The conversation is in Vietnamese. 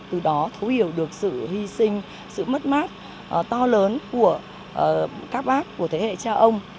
từ đó thấu hiểu được sự hy sinh sự mất mát to lớn của các bác của thế hệ cha ông